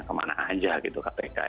kemana aja gitu kpk